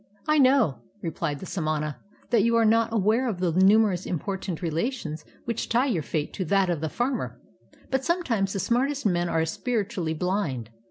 "I know," replied the samana, "that you are not aware of the numerous important relations which tie your fate to that of the farmer ; but sometimes the smart est men are spiritually blind.